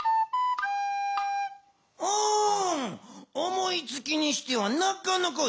思いつきにしてはなかなかええやん。